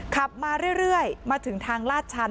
ขับมาเรื่อยมาถึงทางลาดชัน